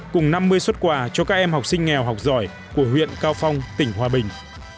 cùng năm mươi xuất quà cho các em học sinh nghèo học giỏi của huyện cao phong tỉnh hòa bình